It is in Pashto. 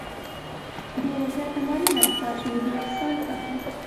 ډېره زیاته مننه ستاسې له دې احسان څخه.